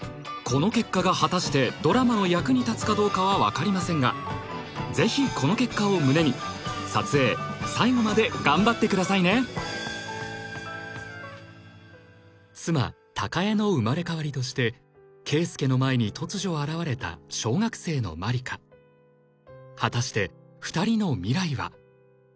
この結果が果たしてドラマの役に立つかどうかは分かりませんがぜひこの結果を胸に撮影最後まで頑張ってくださいね妻・貴恵の生まれ変わりとして圭介の前に突如現れた小学生の万理華果たして二人の未来は？